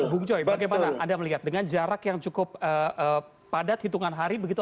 bung joy bagaimana anda melihat dengan jarak yang cukup padat hitungan hari begitu